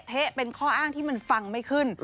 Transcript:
มันจะเละเทะเป็นข้ออ้างที่มันฟังไม่ขึ้น